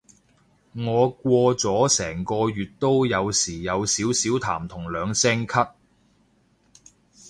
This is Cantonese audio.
我過咗成個月都有時有少少痰同兩聲咳